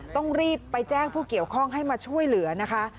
ต้องรีบไปแจ้งผู้เกี่ยวข้องให้มาช่วยเหลือนะคะ